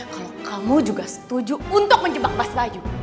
kalau kamu juga setuju untuk menjebak mas bayu